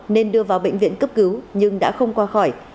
nên đưa vào bệnh viện cấp cứu nhưng đã không qua khỏi